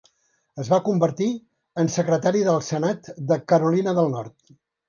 Es va convertir en secretari del senat de Carolina del Nord.